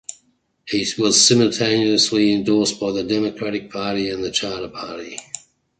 He was simultaneously endorsed by the Democratic Party and the Charter Party.